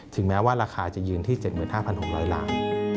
แม้ว่าราคาจะยืนที่๗๕๖๐๐ล้าน